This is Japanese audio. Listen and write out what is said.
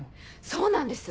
そうなんです